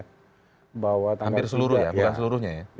bahwa hampir seluruh ya bukan seluruhnya ya